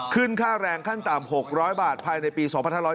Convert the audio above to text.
ค่าแรงขั้นต่ำ๖๐๐บาทภายในปี๒๕๖๐